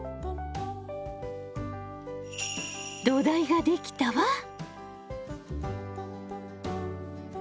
土台が出来たわ。